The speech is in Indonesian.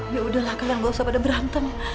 yaudahlah kalian gak usah pada berantem